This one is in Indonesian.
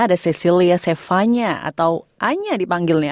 ada cecilia sefanya atau anya dipanggilnya